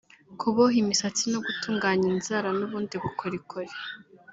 kuboha imisatsi no gutunganya inzara n’ubundi bukorikori